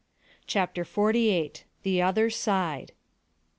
CHAPTER FORTY EIGHT. THE OTHER SIDE.